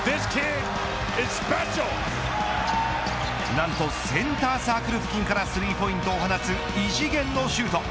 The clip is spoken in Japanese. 何とセンターサークル付近からスリーポイントを放つ異次元のシュート。